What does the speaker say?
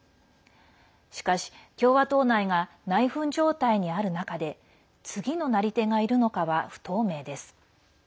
しかし、共和党内が内紛状態にある中で次のなり手がいるのかは不透明です。